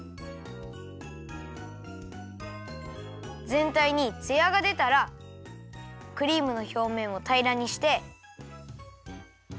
ぜんたいにツヤがでたらクリームのひょうめんをたいらにして。